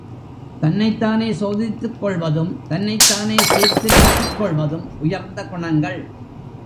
தன்னைத்தானே சோதித்துக் கொள்வதும், தன்னைத் தானே சீர்திருத்திக் கொள்வதும் உயர்ந்த குணங்கள்.